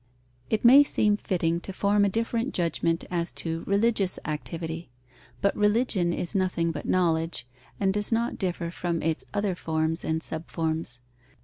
_ It may seem fitting to form a different judgment as to religious activity. But religion is nothing but knowledge, and does not differ from its other forms and subforms.